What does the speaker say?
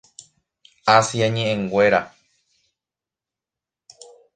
Asia ñe'ẽnguéra.